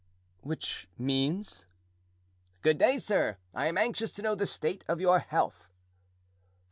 "Which means?" "Good day, sir! I am anxious to know the state of your health."